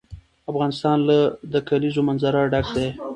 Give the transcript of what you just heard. افغانستان له د کلیزو منظره ډک دی.